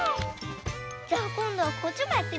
じゃあこんどはこっちもやってみよう。